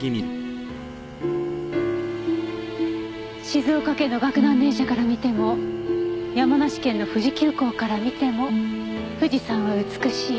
静岡県の岳南電車から見ても山梨県の富士急行から見ても富士山は美しい。